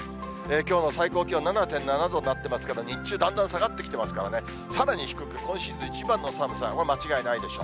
きょうの最高気温７．７度になってますけど、日中、だんだん下がってきてますからね、さらに低く、今シーズン一番の寒さ、もう間違いないでしょう。